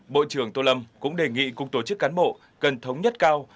bộ trưởng tô lâm cũng đề nghị cục tổ chức cán bộ cần thống nhất cao